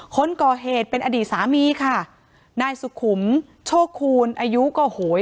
คนก่อเหตุเป็นอดีตสามีค่ะนายสุขุมโชคคูณอายุก็โหย